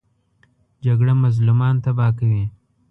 جګړه مظلومان تباه کوي